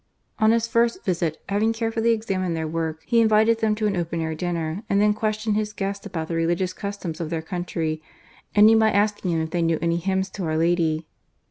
On his first visit, having carefully examined their work, he invited them to an open air dinner, and then questioned his guests about the religious customs of their country, ending by asking them if they knew any hymns to our Lady